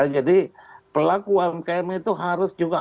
jadi pelaku umkm itu harus juga